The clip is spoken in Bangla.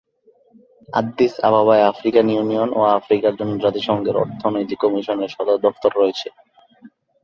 আদ্দিস আবাবায় আফ্রিকান ইউনিয়ন ও আফ্রিকার জন্য জাতিসংঘের অর্থনৈতিক কমিশনের সদর দফতর রয়েছে।